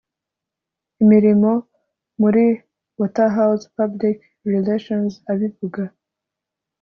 imirimo muri Waterhouse Public Relations abivuga